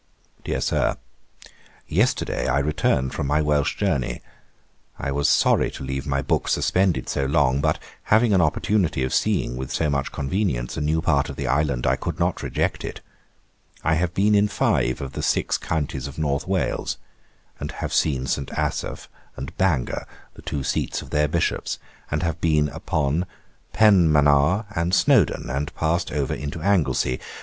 'DEAR SIR, 'Yesterday I returned from my Welch journey, I was sorry to leave my book suspended so long; but having an opportunity of seeing, with so much convenience, a new part of the island, I could not reject it. I have been in five of the six counties of North Wales; and have seen St. Asaph and Bangor, the two seats of their Bishops; have been upon Penmanmaur and Snowden, and passed over into Anglesea.